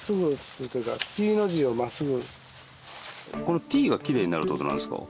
このＴがきれいになるって事なんですか？